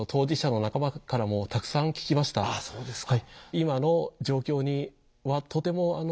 そうですか。